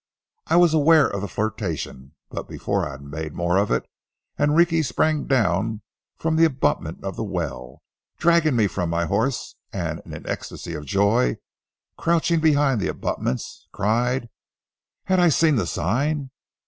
I was aware of the flirtation, but before I had made more of it Enrique sprang down from the abutment of the well, dragged me from my horse, and in an ecstasy of joy, crouching behind the abutments, cried: Had I seen the sign?